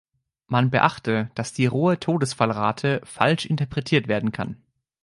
Man beachte, dass die rohe Todesfallrate falsch interpretiert werden kann.